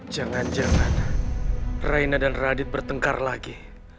jangan jangan raina dan radit bertengkar lagi